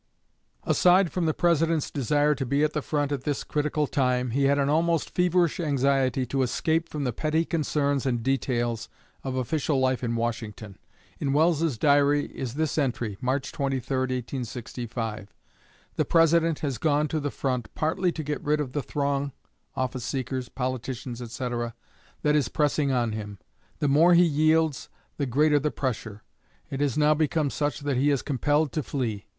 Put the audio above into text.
Aside from the President's desire to be at the front at this critical time, he had an almost feverish anxiety to escape from the petty concerns and details of official life in Washington. In Welles's Diary is this entry (March 23, 1865): "The President has gone to the front, partly to get rid of the throng [office seekers, politicians, etc.] that is pressing on him. The more he yields, the greater the pressure. It has now become such that he is compelled to flee.